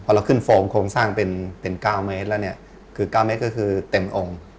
พอเราขึ้นโฟมคงสร้างเป็น๙เมตรแล้วคือเต็มองค์